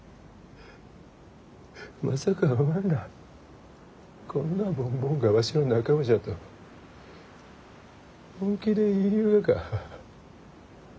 まさかおまんらあこんなボンボンがわしの仲間じゃと本気で言いゆうがか？